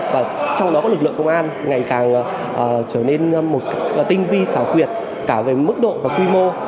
và trong đó có lực lượng công an ngày càng trở nên một tinh vi xảo quyệt cả về mức độ và quy mô